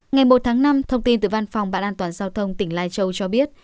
ngày một tháng năm thông tin từ văn phòng bạn an toàn giao thông tỉnh lai châu cho biết